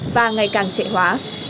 và ngày càng trễ hóa